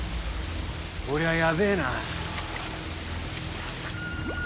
こりゃやべえな。